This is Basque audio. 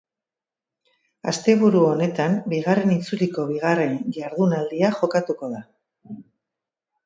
Asteburu honetan bigarren itzuliko bigarren jardunaldia jokatuko da.